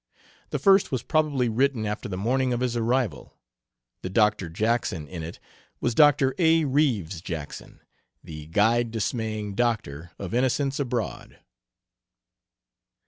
The first was probably written after the morning of his arrival. The Doctor Jackson in it was Dr. A. Reeves Jackson, the guide dismaying "Doctor" of Innocents Abroad.